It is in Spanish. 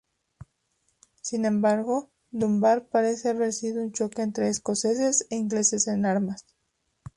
Sin embargo, Dunbar parece haber sido un choque entre escoceses e ingleses en armas.